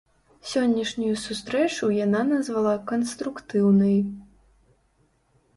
Сённяшнюю сустрэчу яна назвала канструктыўнай.